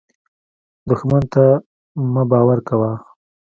دښمن ته مه باور کوه